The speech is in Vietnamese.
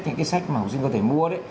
cái sách mà học sinh có thể mua